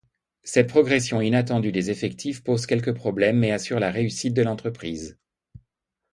Cette progression inattendue des effectifs pose quelques problèmes mais assure la réussite de l'entreprise.